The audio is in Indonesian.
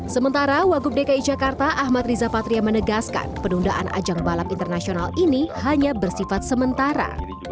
sementara wagub dki jakarta ahmad riza patria menegaskan penundaan ajang balap internasional ini hanya bersifat sementara